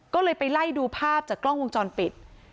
ก็เลยไปไล่ดูภาพจากกล้องวงจรปิด